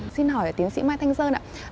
xin hỏi tiến sĩ mai thanh sơn ạ